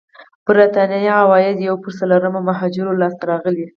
برېتانيا عوايدو یو پر څلورمه مهاجرو لاسته راغلي.